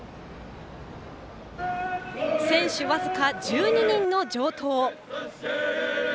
選手、僅か１２人の城東。